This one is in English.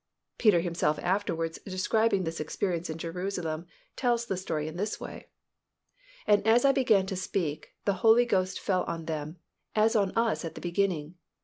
Peter himself afterwards describing this experience in Jerusalem tells the story in this way, "And as I began to speak, the Holy Ghost fell on them, as on us at the beginning.